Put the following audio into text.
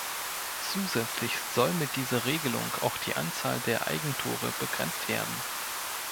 Zusätzlich soll mit dieser Regelung auch die Anzahl der Eigentore begrenzt werden.